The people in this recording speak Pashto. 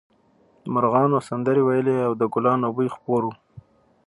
مرغانو سندرې ویلې او د ګلانو بوی خپور و